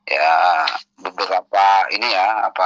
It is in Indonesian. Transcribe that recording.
ya beberapa ini ya